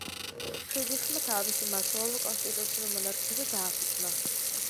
ფრიდრიხმა თავისი მმართველობა კონსტიტუციურ მონარქიაზე დააფუძნა.